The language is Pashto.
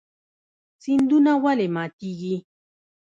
سیندونه ولې ماتیږي؟